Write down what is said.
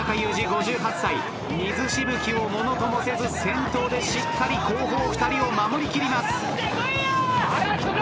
水しぶきをものともせず先頭でしっかり後方２人を守りきります。